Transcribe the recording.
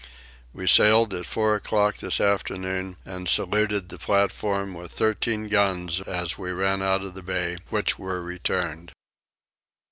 We sailed at four o'clock this afternoon, and saluted the platform with thirteen guns as we ran out of the bay, which were returned.